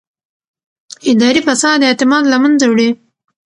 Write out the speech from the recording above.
اداري فساد اعتماد له منځه وړي